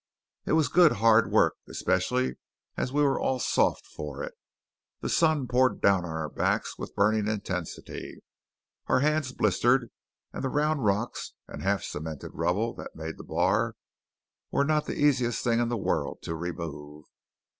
It was good hard work, especially as we were all soft for it. The sun poured down on our backs with burning intensity; our hands blistered; and the round rocks and half cemented rubble that made the bar were not the easiest things in the world to remove.